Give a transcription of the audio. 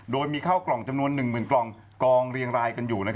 โดยมีเข้ากล่องจำนวนหนึ่งเหมือนกล่องเรียงรายกันอยู่